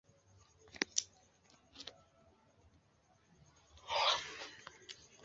Do, mi decidis trejni min sen perdi tempon kaj tuj komencis longigi la veturdistancojn.